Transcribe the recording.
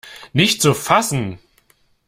Nicht zu fassen!